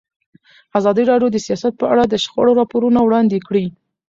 ازادي راډیو د سیاست په اړه د شخړو راپورونه وړاندې کړي.